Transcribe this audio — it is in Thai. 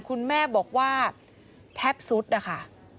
คุณแม่บอกว่าแทบสุดนะคะ